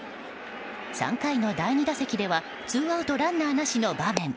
３回の第２打席ではツーアウトランナーなしの場面。